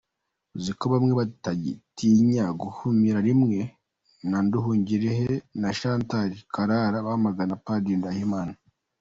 Uzi ko bamwe batagitinya guhumira rimwe na Nduhungirehe na Chantal Karara bamagana padiri Ndahimana.